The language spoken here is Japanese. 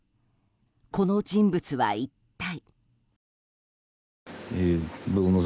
この人物は一体。